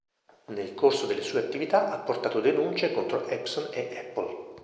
Nel corso delle sue attività ha portato denunce contro Epson e Apple.